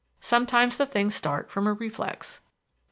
Sometimes the things start from a reflex...."